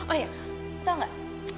oh iya tau gak